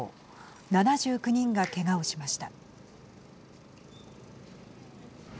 ７９人がけがをしました。